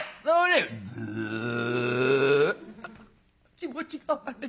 「気持ちが悪い」。